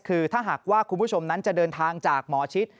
คือถ้าหากว่าคุณผู้ชมนั้นจะเดินทางจากหมอชิด